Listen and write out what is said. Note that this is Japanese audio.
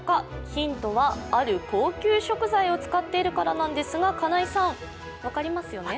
ヒントはある高級食材を使っているからなんですが、金井さん、分かりますよね？